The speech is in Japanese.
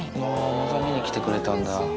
また見に来てくれたんだ。